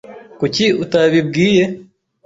Kuki utabibwiye ?